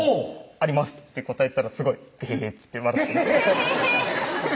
「あります」って答えたらすごい「テヘヘ」っつって笑って「テヘヘ」！